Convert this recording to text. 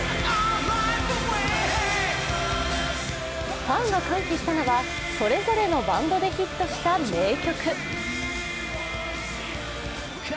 ファンが歓喜したのはそれぞれのバンドでヒットした名曲。